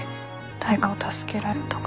誰かを助けられるとか。